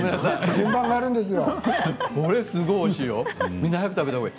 順番があるんですよ。